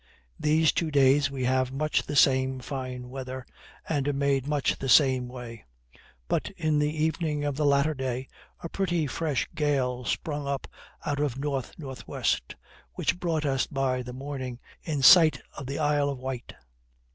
These two days we had much the same fine weather, and made much the same way; but in the evening of the latter day a pretty fresh gale sprung up at N.N.W., which brought us by the morning in sight of the Isle of Wight.